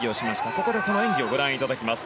ここで、その演技をご覧いただきます。